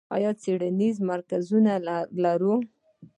آیا څیړنیز مرکزونه لرو؟